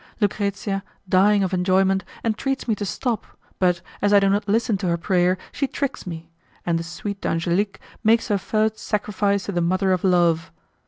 Lucrezia, dying of enjoyment, entreats me to stop, but, as I do not listen to her prayer, she tricks me, and the sweet Angelique makes her first sacrifice to the mother of love.